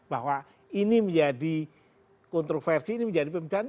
bahwa ini menjadi kontroversi ini menjadi pembicaraan